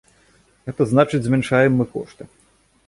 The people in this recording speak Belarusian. Гэта значыць, змяншаем мы кошты.